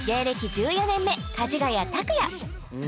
１４年目かじがや卓哉